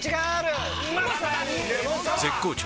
絶好調！！